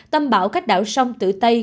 tâm bão cách đảo sông tử tây